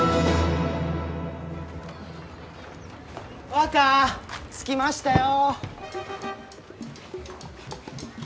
若着きましたよ！